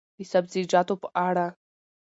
د سبزیجاتو په اړه: